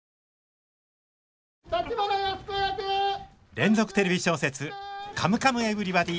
連続テレビ小説「カムカムエヴリバディ」！